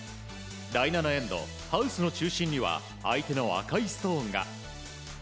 第７エンド、ハウスの中心には相手の赤いストーンが。